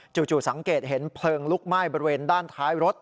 จู่สังเกตเห็นเพลิงลุกไหม้บริเวณด้านท้ายรถ